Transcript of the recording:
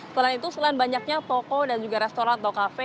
selain itu selain banyaknya toko dan juga restoran atau kafe